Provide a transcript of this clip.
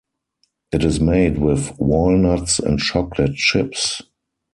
It is made with walnuts and chocolate chips.